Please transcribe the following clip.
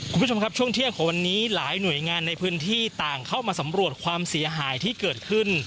คุณผู้ชมครับช่วงเที่ยงของวันนี้หลายหน่วยงานในพื้นที่ต่างเข้ามาสำรวจความเสียหายที่เกิดขึ้น